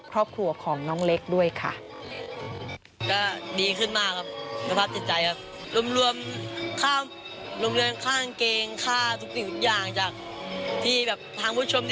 ครอบครัวของน้องเล็กด้วยค่ะ